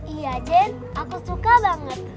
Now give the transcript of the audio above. iya jane aku suka banget